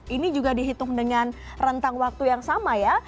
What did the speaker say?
ini juga dihitung dengan rentang waktu yang sama ya